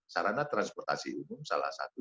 sarana transportasi umum salah satu